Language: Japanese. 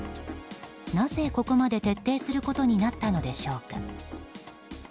なぜ、ここまで徹底することになったのでしょうか。